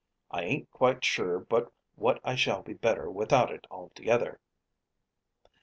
I ain't quite sure but what I shall be better without it altogether.